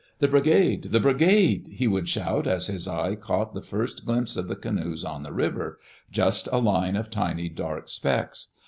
"The Bri gade! The Brigade I'' he would shout as his eye caught the first glimpse of the canoes on the river — just a line of tiny dark specks.